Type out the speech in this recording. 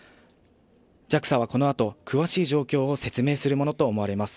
ＪＡＸＡはこのあと、詳しい状況を説明するものと思われます。